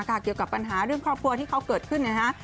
ก็เกี่ยวกับปัญหาของความที่ของพวกเขาเกิดขึ้นอย่างนะฮะ